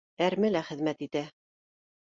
Әрмелә хеҙмәт итә